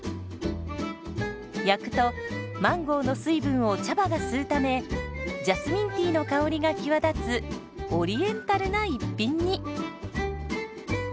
焼くとマンゴーの水分を茶葉が吸うためジャスミンティーの香りが際立つオリエンタルな一品に。